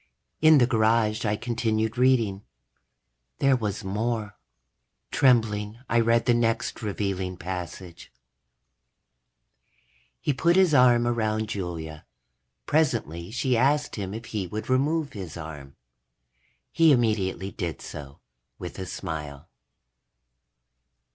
In the garage, I continued reading. There was more. Trembling, I read the next revealing passage: _... he put his arm around Julia. Presently she asked him if he would remove his arm. He immediately did so, with a smile.